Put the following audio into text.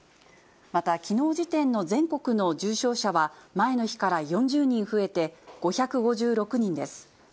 またきのう時点の全国の重症者は、前の日から４０人増えて、５５６人です。